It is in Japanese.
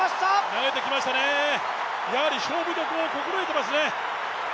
投げてきましたね、やはり勝負どころを心得ていますね。